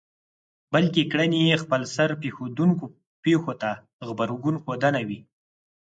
بلکې کړنې يې خپلسر پېښېدونکو پېښو ته غبرګون ښودنه وي.